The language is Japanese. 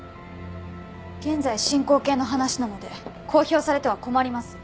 現在進行形の話なので公表されては困ります。